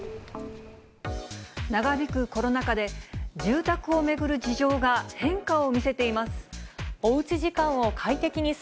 長引くコロナ禍で、住宅を巡る事情が変化を見せています。